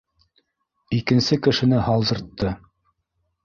Икенсе кешене һалдыртты